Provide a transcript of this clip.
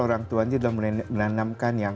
orang tua ini sudah menanamkan